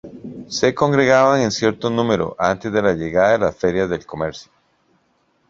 Se congregaban en cierto número antes de la llegada de las ferias de comercio.